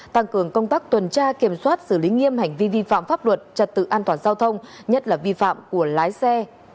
tăng cường công tác tuần tra kiểm soát xử lý nghiêm hành vi vi phạm pháp luật trật tự an toàn giao thông nhất là vi phạm của lái xe